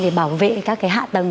để bảo vệ các hạ tầng